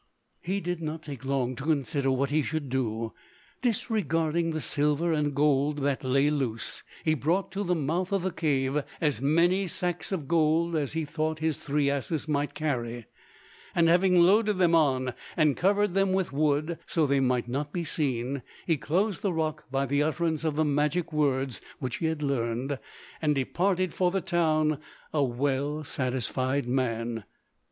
He did not take long to consider what he should do. Disregarding the silver and the gold that lay loose, he brought to the mouth of the cave as many sacks of gold as he thought his three asses might carry; and having loaded them on and covered them with wood so that they might not be seen, he closed the rock by the utterance of the magic words which he had learned, and departed for the town, a well satisfied man.